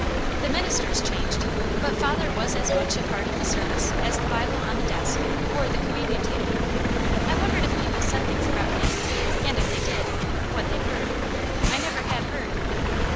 The ministers changed, but father was as much a part of the service as the Bible on the desk or the communion table. I wondered if people said things about him, and if they did, what they were. I never had heard.